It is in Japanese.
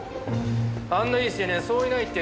あんないい青年そういないって